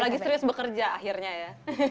lagi serius bekerja akhirnya ya